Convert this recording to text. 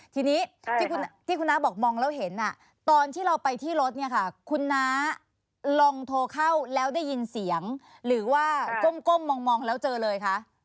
ทีนี้ที่คุณน้าบอกมองแล้วเห็นตอนที่เราไปที่รถเนี่ยค่ะคุณน้าลองโทรเข้าแล้วได้ยินเสียงหรือว่าก้มมองแล้วเจอเลยคะ